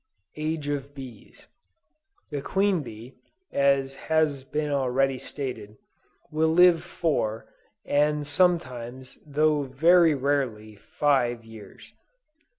AGE OF BEES. The queen bee, (as has been already stated,) will live four, and sometimes, though very rarely, five years.